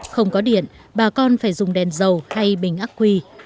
không có điện bà con phải dùng đèn dầu thay bình ác quy